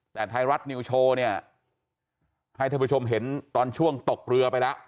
แต่ไทยรัฐนิวโชว์เนี่ยให้ท่านผู้ชมเห็นตอนช่วงตกเรือไปแล้ว